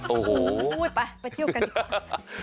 โอ้โหไปไปเที่ยวกันดีกว่า